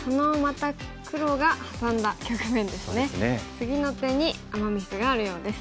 次の手にアマ・ミスがあるようです。